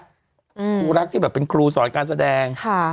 ครูรักที่แบบเป็นครูสอนการแสดงค่ะ